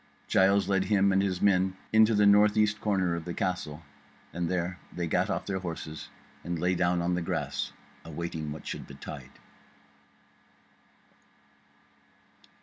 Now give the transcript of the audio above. Giles led him and his men into the north east corner of the castle, and there they gat off their horses and lay down on the grass awaiting what should betide.